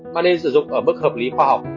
mà nên sử dụng ở mức hợp lý khoa học